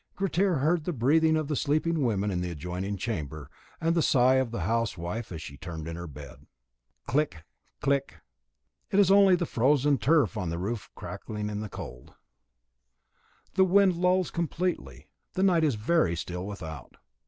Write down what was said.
Grettir heard the breathing of the sleeping women in the adjoining chamber, and the sigh of the housewife as she turned in her bed. Click! click! It is only the frozen turf on the roof cracking with the cold. The wind lulls completely. The night is very still without.